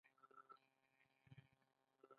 پیرو هېوادونه هم په دې ډله کې راځي.